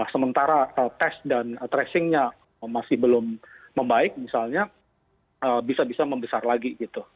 sementara tes dan tracingnya masih belum membaik misalnya bisa bisa membesar lagi gitu